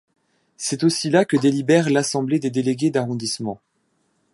C'est aussi là que délibère l'assemblée des délégués d'arrondissement.